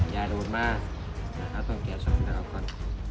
อย่าโดดมาน่ะครับต้องแกะสำหรับครับครับ